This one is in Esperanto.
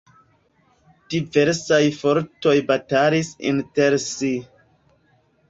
Diversaj fortoj batalis inter si.